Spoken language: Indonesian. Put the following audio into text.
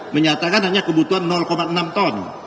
menyatakan hanya kebutuhan enam ton